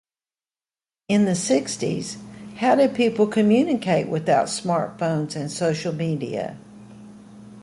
In the sixties, how did people communicate without smartphones and social media?